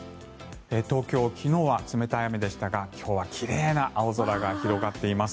東京、昨日は冷たい雨でしたが今日は奇麗な青空が広がっています。